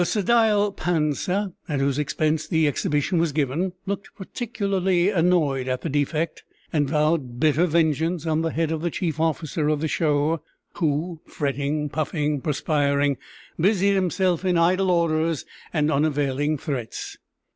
The sedile Pansa, at whose expense the exhibition was given, looked particularly annoyed at the defect, and vowed bitter vengeance on the head of the chief officer of the show, who, fretting, puffing, perspiring, busied himself in idle orders and unavailing threats.